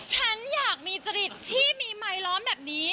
ฉันอยากมีจริตที่มีไมค์ล้อมแบบนี้